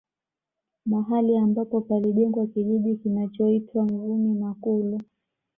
Mahali ambapo palijengwa kijiji kinachoitwa Mvumi Makulu